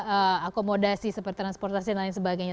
atau juga akomodasi seperti transportasi dan lain sebagainya